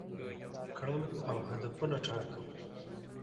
کړم او هدفونه وټاکم،